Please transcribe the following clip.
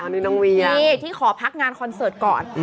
นี่ที่ขอพักงานคอนเสิร์ตก่อน